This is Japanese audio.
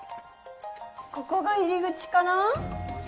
ここが入り口かな？